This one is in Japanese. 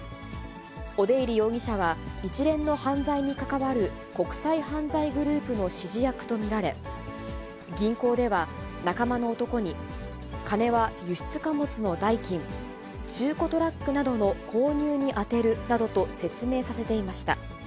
オデイリ容疑者は、一連の犯罪に関わる国際犯罪グループの指示役と見られ、銀行では、仲間の男に金は輸出貨物の代金、中古トラックなどの購入に充てるなどと説明させていました。